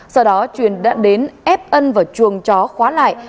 sau đó truyền đã đến ép ân vào chuồng chó khóa lại